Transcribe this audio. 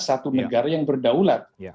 satu negara yang berdaulat